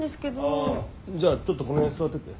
あじゃあちょっとこの辺座ってて。